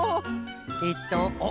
えっとおっ！